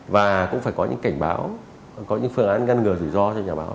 và cũng phải có những cảnh báo có những phương án ngăn ngừa rủi ro cho nhà báo